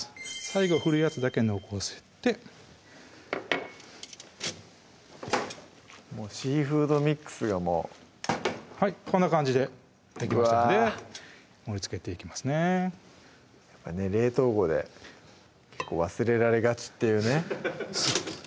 最後振るやつだけ残してもうシーフードミックスがもうこんな感じでできましたので盛りつけていきますね冷凍庫で忘れられがちっていうね